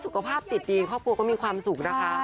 สุขภาพจิตดีครอบครัวก็มีความสุขนะคะ